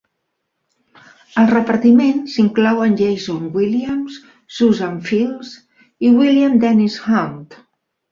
Al repartiment s'inclouen Jason Williams, Suzanne Fields i William Dennis Hunt.